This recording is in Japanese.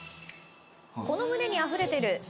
「この胸にあふれてる」